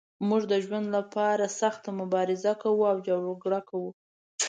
موږ د ژوند لپاره سخته مبارزه کوو او جګړه کوو.